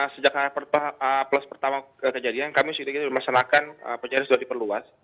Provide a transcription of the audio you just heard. sejak hape plus pertama kejadian kami sudah dimasanakan pencarian sudah diperluas